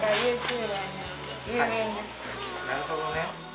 なるほどね。